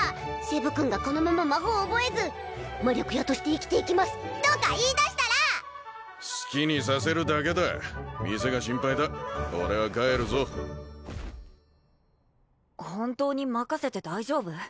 セブ君がこのまま魔法を覚えず魔力屋として生きていきますとか言いだしたら好きにさせるだけだ店が心配だ俺は帰るぞ本当に任せて大丈夫？